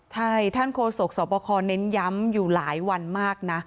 ใช่ท่านโฆษกสอบคอเน้นย้ำอยู่หลายวันมากนะ